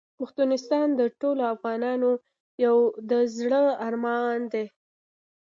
پښتونستان د ټولو افغانانو یو د زړه ارمان دی .